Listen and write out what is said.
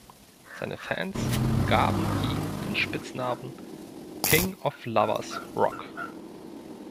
Seine Fans gaben ihm den Spitznamen „King of Lovers Rock“.